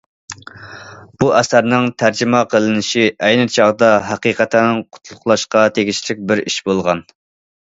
بۇ ئەسەرنىڭ تەرجىمە قىلىنىشى ئەينى چاغدا ھەقىقەتەن قۇتلۇقلاشقا تېگىشلىك بىر ئىش بولغان.